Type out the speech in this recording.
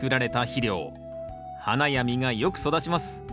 花や実がよく育ちます。